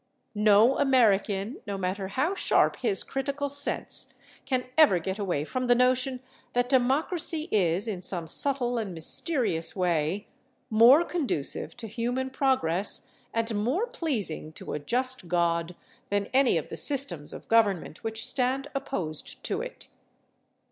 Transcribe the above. No American, no matter how sharp his critical sense, can ever get away from the notion that democracy is, in some subtle and mysterious way, more conducive to human progress and more pleasing to a just God than any of the systems of government which stand opposed to it.